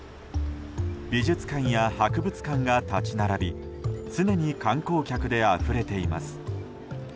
美術館や博物館が立ち並び常に観光客であふれています。